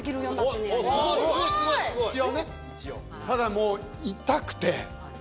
ただもう痛くて。